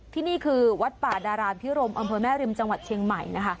ที่นี่คือวัดป่าดารามพิรมอำเภอแม่ริมจังหวัดเชียงใหม่นะคะ